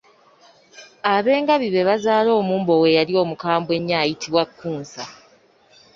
Ab'engabi be bazaala omumbowa eyali omukambwe ennyo ayitibwa Kkunsa.